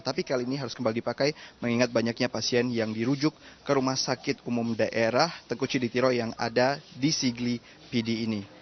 tapi kali ini harus kembali dipakai mengingat banyaknya pasien yang dirujuk ke rumah sakit umum daerah tengku ciditiro yang ada di sigli pd ini